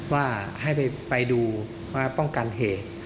ว่าให้ไปดูว่าป้องกันเหตุ